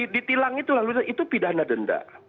di tilang itu lalu itu pidana denda